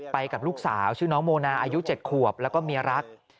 กับลูกสาวชื่อน้องโมนาอายุ๗ขวบแล้วก็เมียรัก